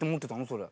それ。